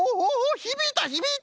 ひびいたひびいた！